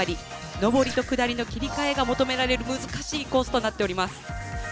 上りと下りの切り替えが求められる難しいコースとなっております。